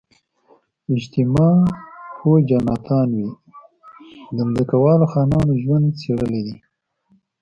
اجتماع پوه جاناتان وی د ځمکوالو خانانو ژوند څېړلی دی.